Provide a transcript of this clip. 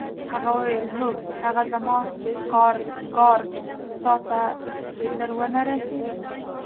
هغه وویل: هو، هغه زما کارډ تا ته در ونه رسید؟